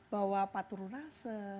bahwa patur rasa